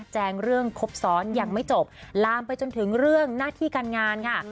แจ้งเรื่องครบซ้อนยังไม่จบลามไปจนถึงเรื่องหน้าที่การงานค่ะ